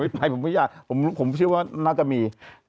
ไปผมไม่อยากผมชื่อว่านากามี